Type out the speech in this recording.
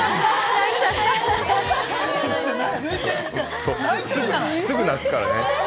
泣いちすぐ泣くからね。